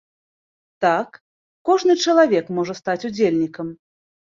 Так, кожны чалавек можа стаць удзельнікам!